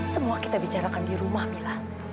semua kita bicarakan di rumah mila